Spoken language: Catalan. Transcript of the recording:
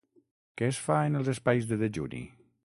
Què es fa en els espais de dejuni?